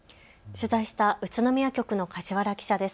取材した宇都宮局の梶原記者です。